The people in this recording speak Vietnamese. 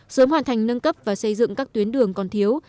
sớm hoàn thành nâng cấp và xây dựng các tuyến đường còn thiếu